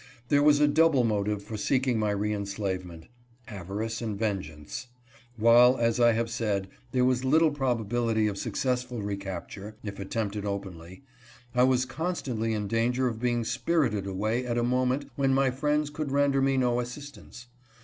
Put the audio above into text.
There was a double motive for seeking my re enslavement — avarice and vengeance ; and while, as I have said, there was little probability of successful recapture, if attempted openly, I was constantly in danger of being spirited away at a moment when my friends could render me no assistance.